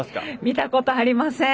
見たことありません。